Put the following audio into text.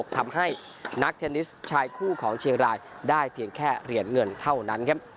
ทำให้นักเทนนิสชายคู่ของเชียงรายได้เพียงแค่เหรียญเงินเท่านั้นครับ